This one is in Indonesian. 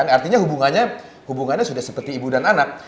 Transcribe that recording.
artinya hubungannya sudah seperti ibu dan anak